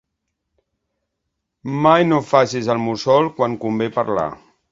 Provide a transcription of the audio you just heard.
Mai no facis el mussol quan convé parlar.